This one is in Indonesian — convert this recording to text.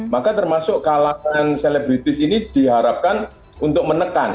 maka termasuk kalangan selebritis ini diharapkan untuk menekan